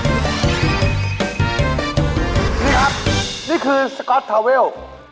นี่ครับนี่คือสก๊อตทาเวล